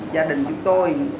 gia đình chúng tôi